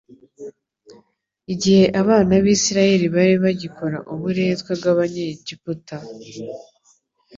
Igihe abana b'Isirayeli bari bagikora uburetwa bw'Abanyegiputa,